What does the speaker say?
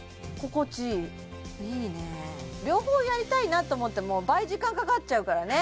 両方やりたいなと思っても倍時間かかっちゃうからね